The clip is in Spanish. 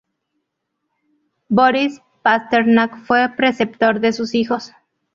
Borís Pasternak fue preceptor de sus hijos.